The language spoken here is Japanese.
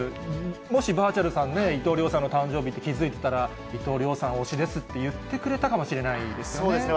もしばあちゃるさんね、伊藤遼さんの誕生日って気付いてたらね、伊藤遼さん推しですって言ってくれたかもしれないですね。